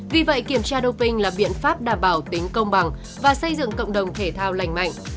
vì vậy kiểm tra doping là biện pháp đảm bảo tính công bằng và xây dựng cộng đồng thể thao lành mạnh